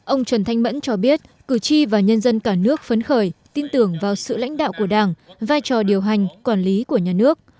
ông trần thanh mẫn cho biết cử tri và nhân dân cả nước phấn khởi tin tưởng vào sự lãnh đạo của đảng vai trò điều hành quản lý của nhà nước